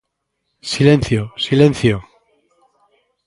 ¡Silencio! ¡Silencio!